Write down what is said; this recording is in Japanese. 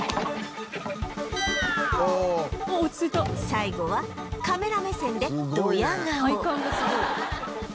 最後はカメラ目線でドヤ顔